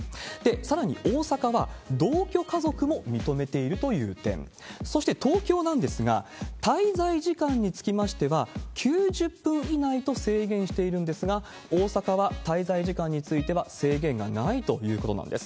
さらに大阪は、同居家族も認めているという点、そして東京なんですが、滞在時間につきましては、９０分以内と制限しているんですが、大阪は滞在時間については、制限がないということなんです。